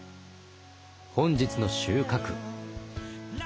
本日の収穫。